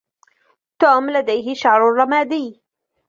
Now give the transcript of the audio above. توم لديه شعر رمادي.